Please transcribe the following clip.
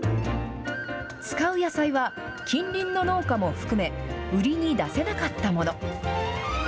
使う野菜は、近隣の農家も含め、売りに出せなかったもの。